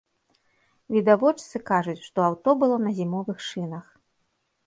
Відавочцы кажуць, што аўто было на зімовых шынах.